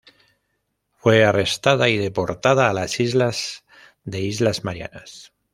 Fue arrestada y deportada a las islas de islas Marianas.